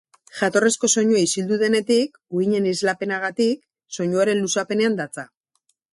Jatorrizko soinua isildu denetik, uhinen islapenagatik, soinuaren luzapenean datza.